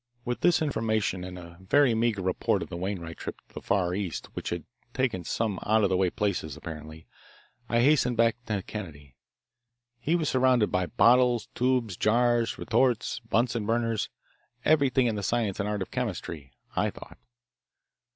With this information and a very meagre report of the Wainwright trip to the Far East, which had taken in some out of the way places apparently, I hastened back to Kennedy. He was surrounded by bottles, tubes, jars, retorts, Bunsen burners, everything in the science and art of chemistry, I thought.